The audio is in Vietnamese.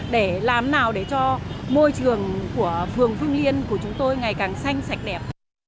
để làm nào để cho môi trường của phường phương liên của chúng tôi ngày càng xanh sạch đẹp